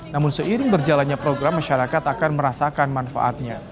namun seiring berjalannya program masyarakat akan merasakan manfaatnya